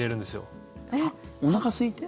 おなかすいて？